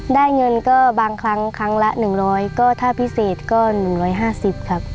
ได้เงินก็บางครั้งครั้งละ๑๐๐ก็ถ้าพิเศษก็๑๕๐ครับ